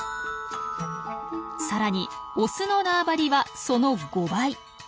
さらにオスの縄張りはその５倍。